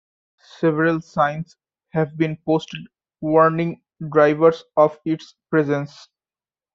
Several signs have been posted warning drivers of its presence.